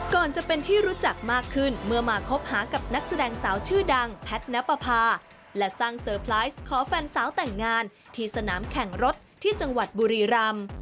ก่อนจะเป็นที่รู้จักมากขึ้นเมื่อมาคบหากับนักแสดงสาวชื่อดังแพทนับประพาและสร้างเซอร์ไพรส์ขอแฟนสาวแต่งงานที่สนามแข่งรถที่จังหวัดบุรีรำ